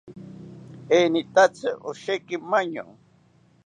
Enitatzi osheki maño